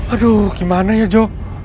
aduh gimana ya joe